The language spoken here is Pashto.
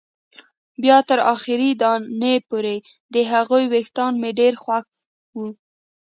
بیا تر اخري دانې پورې، د هغې وېښتان مې ډېر خوښ وو.